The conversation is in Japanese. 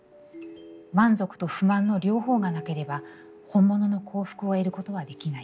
満足と不満の両方がなければ本物の幸福を得ることはできない。